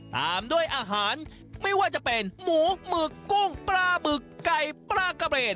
ตามด้วยอาหารไม่ว่าจะเป็นหมูหมึกกุ้งปลาบึกไก่ปลากระเบน